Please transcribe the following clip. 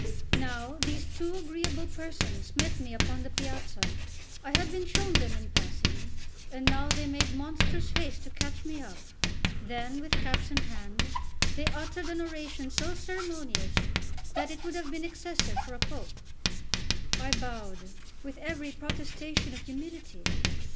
Now these two agreeable persons met me upon the piazza: I had been shown them in passing, and now they made monstrous haste to catch me up; then, with caps in hand, they uttered an oration so ceremonious, that it would have been excessive for a Pope. I bowed, with every protestation of humility.